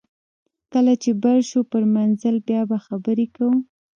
کله چې بر شو پر منزل بیا به خبرې کوو